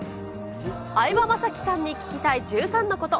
相葉雅紀さんに聞きたい１３のこと。